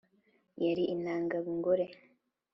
yari intanga ngore.